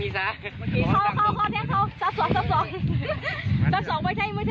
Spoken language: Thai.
จับสองจับสอง